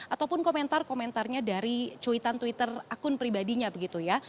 ataupun komentar komentarnya dari cuitan twitter akun pribadinya begitu ya